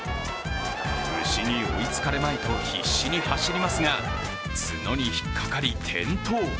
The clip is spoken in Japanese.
牛に追いつかれまいと必死に走りますが、角に引っかかり転倒。